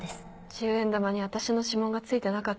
十円玉に私の指紋がついてなかった。